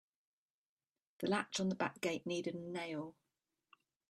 The latch on the back gate needed a nail.